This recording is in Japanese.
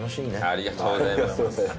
ありがとうございます。